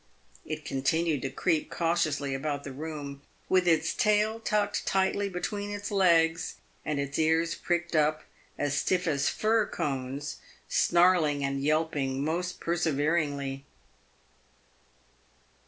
It continued to creep cautiously about the room, with its tail tucked tightly between its legs, and its ears pricked up as stiff as fir cones, snarling and yelping most perseveringly.